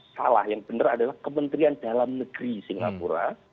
salah yang benar adalah kementerian dalam negeri singapura